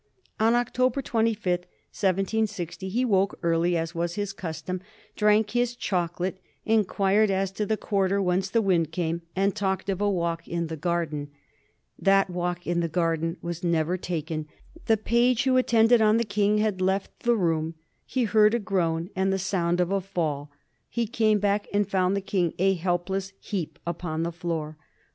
On October 25, 1760, he woke early, as was his custom, drank his chocolate, inquired as to the quarter whence the wind came, and talked of a walk in the gar 304 ^ HISTORT OF THS FOUR GEORGEa cb.xu. den. That walk in the garden was never taken. The page who attended on the King had left the room. He heard a groan and the sonnd of a fall. He came back, and found the King a helpless heap upon the floor.